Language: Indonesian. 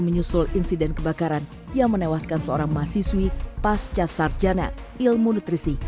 menyusul insiden kebakaran yang menewaskan seorang mahasiswi pasca sarjana ilmu nutrisi